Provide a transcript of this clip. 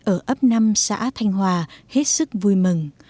ở ấp năm xã thanh hòa hết sức vui mừng